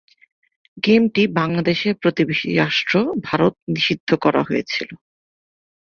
গেমটি বাংলাদেশের প্রতিবেশী রাষ্ট্র ভারত নিষিদ্ধ করা হয়েছিল।